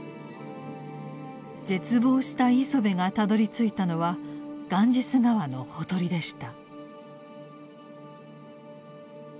絶望した磯辺がたどりついたのはガンジス河のほとりでした。